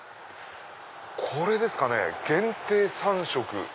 これですかね「限定３食」。